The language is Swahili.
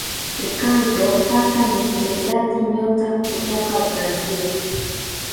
ricardo Kaka ni mchezaji nyota kutoka brazil